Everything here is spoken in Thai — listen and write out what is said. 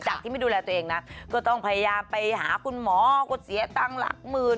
ที่ไม่ดูแลตัวเองนะก็ต้องพยายามไปหาคุณหมอก็เสียตังค์หลักหมื่น